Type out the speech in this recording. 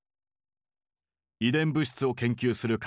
遺伝物質を研究する科学者